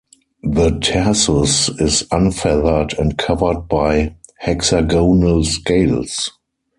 The tarsus is unfeathered and covered by hexagonal scales.